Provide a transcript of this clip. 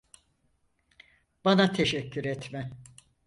Bana teşekkür etme.